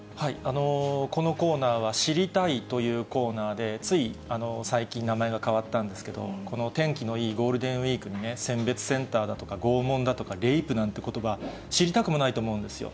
このコーナーは知りたいッ！というコーナーで、つい最近、名前が変わったんですけど、この天気のいいゴールデンウィークに選別センターだとか、拷問だとかレイプなんてことば、知りたくもないと思うんですよ。